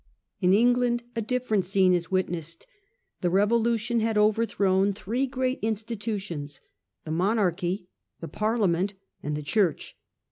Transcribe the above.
In England a different scene is witnessed. The revolution had overthrown three great institutions, the Monarchy, the Parliament, and the Church.